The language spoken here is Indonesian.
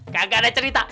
gak ada cerita